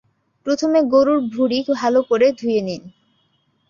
প্রথমে গরুর ভুড়ি ভালো করে ধুয়ে নিন।